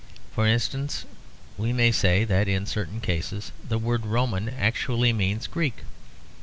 For instance, we may say that in certain cases the word Roman actually means Greek.